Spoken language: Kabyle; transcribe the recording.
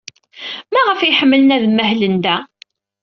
Maɣef ay ḥemmlem ad mahlen da?